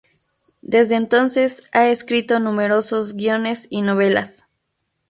Desde entonces ha escrito numerosos guiones y novelas.